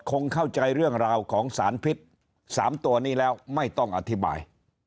คงเข้าใจเรื่องราวของสารพิษ๓ตัวนี้แล้วไม่ต้องอธิบาย